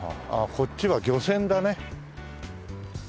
こっちは漁船だね。